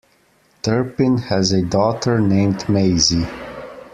Turpin has a daughter named Maisie.